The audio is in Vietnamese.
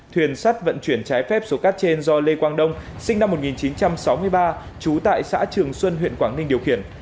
thuyền sắt vận chuyển trái phép số cát trên do lê quang đông sinh năm một nghìn chín trăm sáu mươi ba trú tại xã trường xuân huyện quảng ninh điều khiển